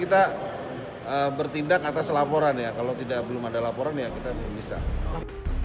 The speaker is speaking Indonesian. kita bertindak atas laporan ya kalau belum ada laporan ya kita belum bisa